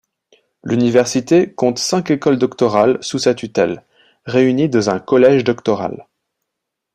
L'université compte cinq écoles doctorales sous sa tutelle, réunies dans un collège doctoral.